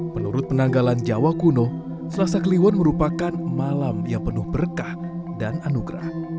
menurut penanggalan jawa kuno selasa kliwon merupakan malam yang penuh berkah dan anugerah